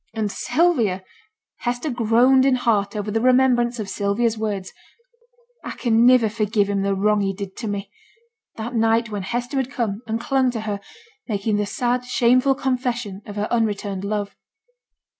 And Sylvia! Hester groaned in heart over the remembrance of Sylvia's words, 'I can niver forgive him the wrong he did to me,' that night when Hester had come, and clung to her, making the sad, shameful confession of her unreturned love.